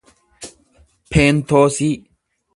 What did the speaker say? peentoosii